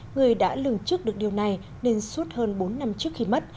người đã lường trước được điều này nên suốt hơn bốn năm trước khi mất